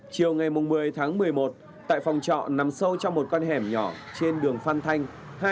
chiều ngày một mươi tháng một mươi một tại phòng trọ nằm sâu trong một con hẻm nhỏ trên đường phan thanh